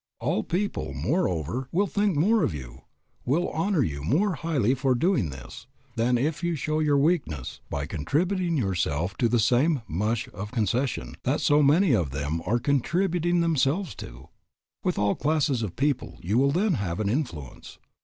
All people, moreover, will think more of you, will honor you more highly for doing this than if you show your weakness by contributing yourself to the same "mush of concession" that so many of them are contributing themselves to. With all classes of people you will then have an influence.